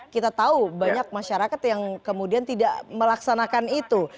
kita tahu banyak masyarakat yang kemudian tidak melaksanakan itu